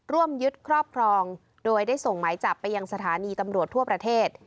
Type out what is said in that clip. ร่วมยึดครอบครองโดยได้ส่งหมายจับไปยังสถานีตำรวจทั่วประเทศ